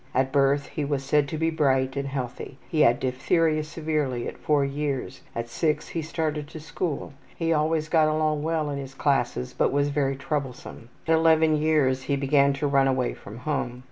At birth he was said to be bright and healthy. He had diphtheria severely at 4 years. At 6 he started to school. He always got along well in his classes, but was very troublesome. At 11 years he began to run away from home.